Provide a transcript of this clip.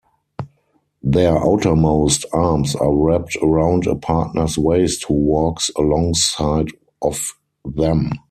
Their outermost arms are wrapped around a partner's waist who walks alongside of them.